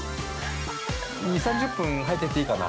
◆２３０分、入ってていいかな。